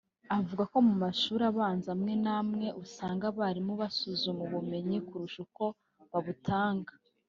avuga ko mu mashuri abanza amwe n’amwe usanga abarimu basuzuma ubumenyi kurusha uko babutanga